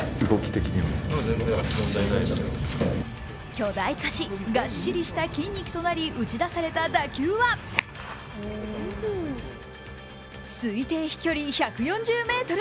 巨大化し、がっしりした筋肉となり打ち出された打球は推定飛距離１４０ｍ。